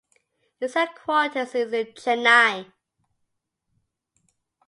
Its headquarters is in Chennai.